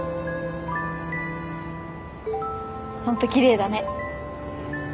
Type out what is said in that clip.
ホント奇麗だね。